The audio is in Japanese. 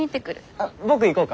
あっ僕行こうか？